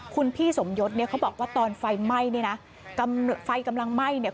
คุณพี่สมยศเนี่ยเขาบอกว่าตอนไฟไหม้เนี่ยนะกำลังไฟกำลังไหม้เนี่ย